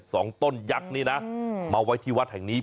สองต้นยักษ์นี่นะมาไว้ที่วัดแห่งนี้